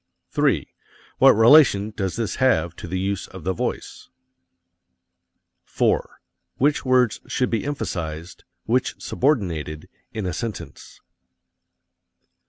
3. What relation does this have to the use of the voice? 4. Which words should be emphasized, which subordinated, in a sentence?